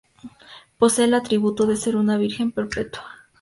Posee el atributo de ser una virgen perpetua.